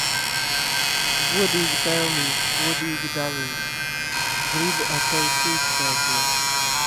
Godīgi pelnīts, godīgi dalīts. Gribu ar tevi cīkstēties.